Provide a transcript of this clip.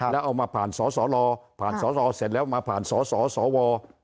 แล้วเอามาผ่านสสลผ่านสลเสร็จแล้วมาผ่านสสว